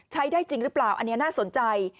ได้จริงหรือเปล่าอันนี้น่าสนใจ